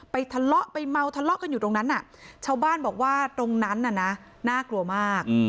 ทะเลาะไปเมาทะเลาะกันอยู่ตรงนั้นชาวบ้านบอกว่าตรงนั้นน่ะนะน่ากลัวมาก